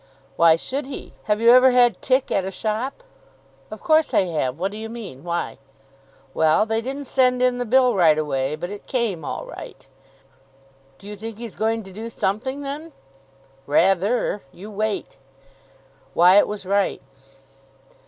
"Why should he? Have you ever had tick at a shop?" "Of course I have. What do you mean? Why?" "Well, they didn't send in the bill right away. But it came all right." "Do you think he's going to do something, then?" "Rather. You wait." Wyatt was right.